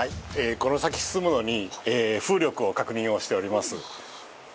この先進むのに風力の確認をしております。